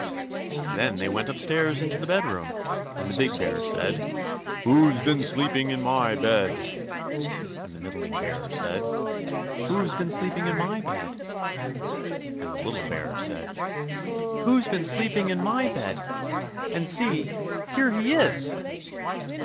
_" Then they went up stairs and into the bedroom, and the big bear said: "WHO'S BEEN SLEEPING IN MY BED?" and the middling bear said: "WHO'S BEEN SLEEPING IN MY BED?" and the little bear said: "_Who's been sleeping in my bed?—and see, here he is!